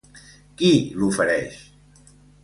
Qui l'ofereix?